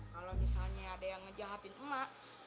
kalau misalnya ada yang ngejahatin emak